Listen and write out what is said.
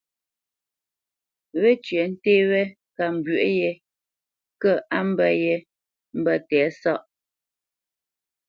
Wécyə̌ té wé ŋkambwə̌ yē kə̂ á mbə̄ yé mbə̄ tɛ̌sáʼ.